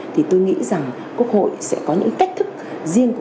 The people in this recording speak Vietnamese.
thì tôi nghĩ rằng quốc hội sẽ có những cách thức riêng